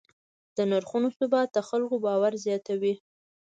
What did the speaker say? د نرخونو ثبات د خلکو باور زیاتوي.